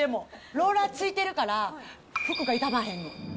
ローラーついてるから、服が傷まへんの。